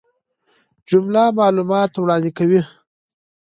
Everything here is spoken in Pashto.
جمله معلومات وړاندي کوي.